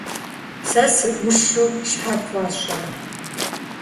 Сэ сыӀущу щхьэ пфӀэщӀрэ?